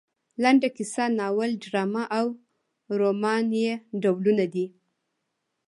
لنډه کیسه ناول ډرامه او رومان یې ډولونه دي.